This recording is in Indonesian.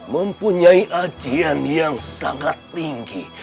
mempunyai ajian yang sangat tinggi